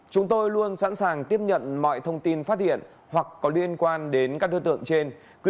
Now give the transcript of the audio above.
chúng tôi luôn sẵn sàng tiếp nhận mọi thông tin phát hiện hoặc có liên quan đến các đối tượng trên